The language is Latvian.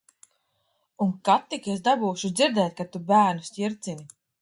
Un kad tik es dabūšu dzirdēt, ka tu bērnus ķircini.